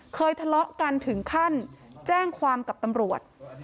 ทะเลาะกันถึงขั้นแจ้งความกับตำรวจ